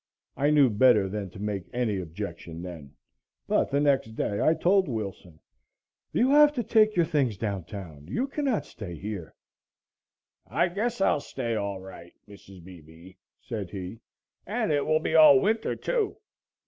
I knew better than to make any objection then, but the next day I told Wilson: "You will have to take your things down town you cannot stay here." "I guess I'll stay all right, Mrs. Beebe," said he. "And it will be all winter, too.